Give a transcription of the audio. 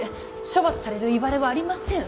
処罰されるいわれはありません。